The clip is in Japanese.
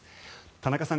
田中さん